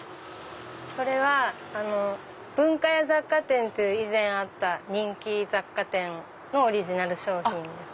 それは文化屋雑貨店っていう以前あった人気雑貨店のオリジナル商品です。